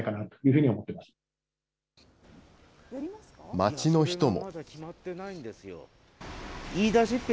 街の人も。